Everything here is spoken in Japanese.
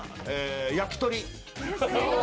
焼き鳥。